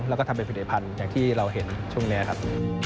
แล้วก็ทำเป็นผลิตภัณฑ์อย่างที่เราเห็นช่วงนี้ครับ